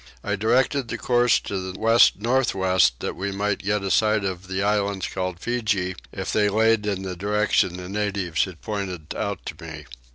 I directed the course to the west north west that we might get a sight of the islands called Feejee if they laid in the direction the natives had pointed out to me.